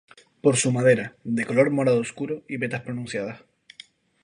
Por su madera, de color morado oscuro, y vetas pronunciadas.